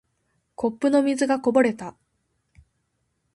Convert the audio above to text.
コップの水がこぼれた。